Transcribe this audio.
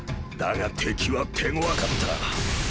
だが敵は手ごわかった。